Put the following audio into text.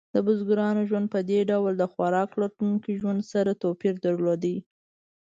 د بزګرانو ژوند په دې ډول د خوراک لټونکو ژوند سره توپیر درلود.